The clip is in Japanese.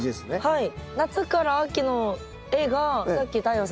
はい。